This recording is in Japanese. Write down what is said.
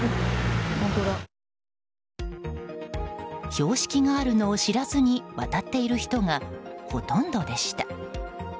標識があるのを知らずに渡っている人がほとんどでした。